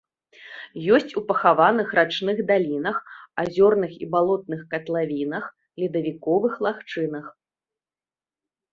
Ёсць у пахаваных рачных далінах, азёрных і балотных катлавінах, ледавіковых лагчынах.